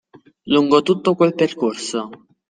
Lungo tutto quel percorso.